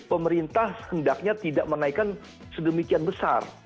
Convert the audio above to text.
pemerintah hendaknya tidak menaikkan sedemikian besar